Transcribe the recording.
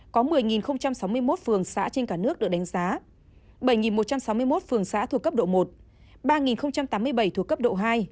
có một mươi sáu mươi một phường xã trên cả nước được đánh giá bảy một trăm sáu mươi một phường xã thuộc cấp độ một ba tám mươi bảy thuộc cấp độ hai